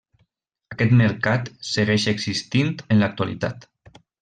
Aquest mercat segueix existint en l'actualitat.